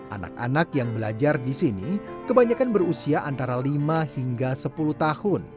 anak anak yang belajar di sini kebanyakan berusia antara lima hingga sepuluh tahun